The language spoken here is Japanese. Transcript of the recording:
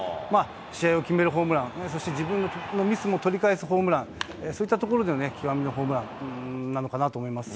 試合を決めるホームラン、そして、自分のミスも取り返すホームラン、そういったところでの、極みのホームランなのかなと思います。